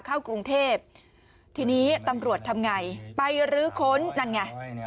เข้ากรุงเทพทีนี้ตำรวจทำไงไปรื้อค้นนั่นไง